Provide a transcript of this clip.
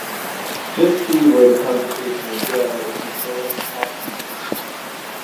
Just see where the conversation would go if he's willing to talk to me